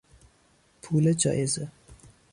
پول جایزه